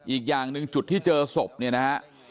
อีกอย่างหนึ่งจุดที่เจอศพเนี่ยนะฮะ